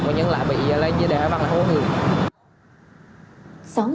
mà những người lại bị lên đèo hải văn lại hỗn hưởng